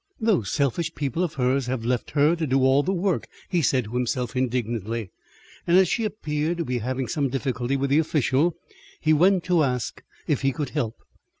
"Those selfish people of hers have left her to do all the work," he said to himself indignantly, and as she appeared to be having some difficulty with the official, he went to ask if he could help.